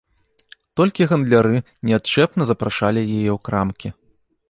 Толькі гандляры неадчэпна запрашалі яе ў крамкі.